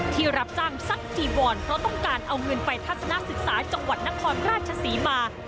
ที่รับจ้างซักจีวอนเพราะต้องการเอาเงินไปทัศนศึกษาจังหวัดนครราชศรีมา